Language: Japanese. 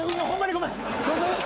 ごめん。